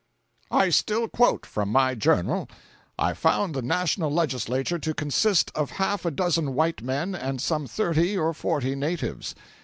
I still quote from my journal: I found the national Legislature to consist of half a dozen white men and some thirty or forty natives.